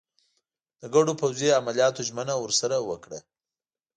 د ګډو پوځي عملیاتو ژمنه ورسره وکړه.